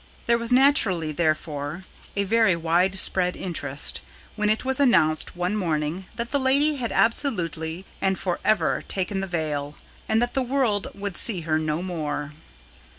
There was naturally, therefore, a very widespread interest when it was announced one morning that the lady had absolutely and for ever taken the veil, and that the world would see her no more.